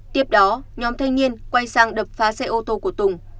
tiếp đó nhóm thanh niên quay sang đập phá xe ô tô của tùng